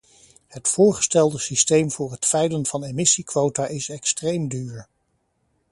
Het voorgestelde systeem voor het veilen van emissiequota is extreem duur.